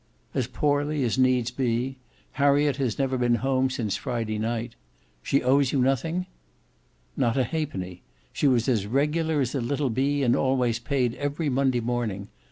"As poorly as needs be. Harriet has never been home since Friday night. She owes you nothing?" "Not a halfpenny. She was as regular as a little bee and always paid every Monday morning.